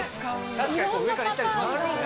確かに上から行ったりしますもんね。